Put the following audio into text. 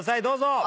どうぞ！